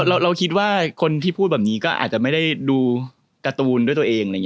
เราคิดว่าคนที่พูดแบบนี้ก็อาจจะไม่ได้ดูการ์ตูนด้วยตัวเอง